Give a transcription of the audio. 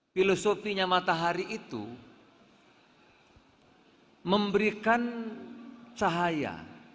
filosofinya matahari itu memberikan cahaya